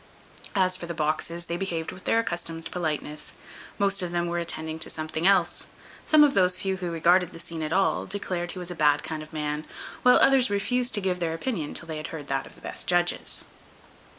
As for the boxes, they behaved with their accustomed politeness. Most of them were attending to something else. Some of those few who regarded the scene at all, declared he was a bad kind of man; while others refused to give their opinion, till they had heard that of the best judges.